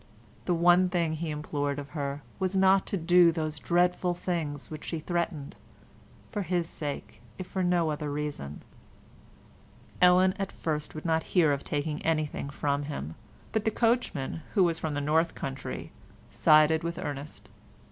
The one thing he implored of her was not to do those dreadful things which she threatened—for his sake if for no other reason. Ellen at first would not hear of taking anything from him, but the coachman, who was from the north country, sided with Ernest.